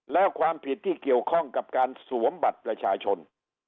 แล้วความผิดที่เกี่ยวข้องกับการสวมบัตรประชาชน